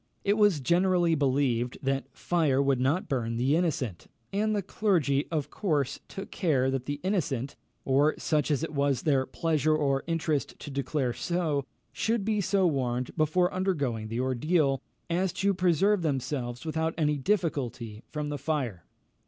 It was generally believed that fire would not burn the innocent, and the clergy, of course, took care that the innocent, or such as it was their pleasure or interest to declare so, should be so warned before undergoing the ordeal, as to preserve themselves without any difficulty from the fire.